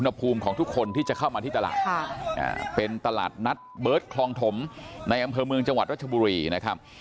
ภูมิของทุกคนที่จะเข้ามาที่ตลาดเป็นตลาดนัดเบิร์ตคลองถมในอำเภอเมืองจังหวัดรัชบุรีนะครับ